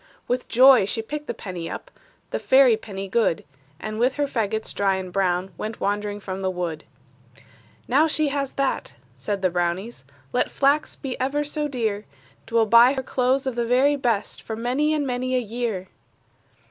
With joy she picked the penny up, The fairy penny good; And with her fagots dry and brown Went wandering from the wood. "Now she has that," said the brownies, "Let flax be ever so dear, 'T will buy her clothes of the very best, For many and many a year!"